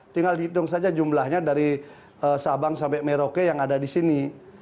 tinggal hitung saja jumlahnya dari sabang sampai merauke yang ada di sini